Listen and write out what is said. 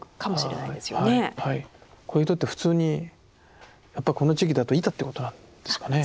こういう人って普通にやっぱりこの地域だといたということなんですかね。